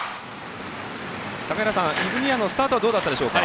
高平さん、泉谷のスタートはどうだったでしょうか？